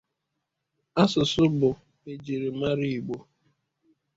Asụsụ bụ ejiri mara Igbo